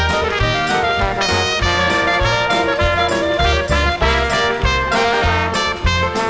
โปรดติดตามต่อไป